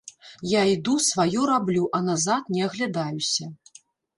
Я іду, сваё раблю, а назад не аглядаюся.